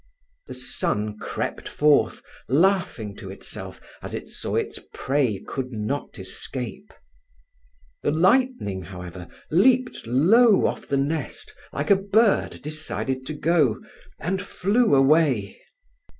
The sun crept forth, laughing to itself as it saw its prey could not escape. The lightning, however, leaped low off the nest like a bird decided to go, and flew away.